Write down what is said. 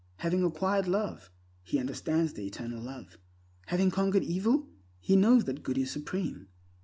Having acquired Love, he understands the Eternal Love. Having conquered evil, he knows that good is supreme.